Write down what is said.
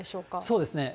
そうですね。